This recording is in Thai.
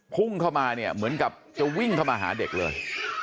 พุ่งเข้ามาเนี่ยเหมือนกับจะวิ่งเข้ามาหาเด็กเลย